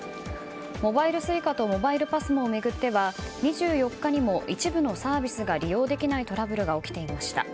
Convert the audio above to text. モバイルＳｕｉｃａとモバイルＰＡＳＭＯを巡っては２４日にも一部のサービスが利用できないトラブルが起きていました。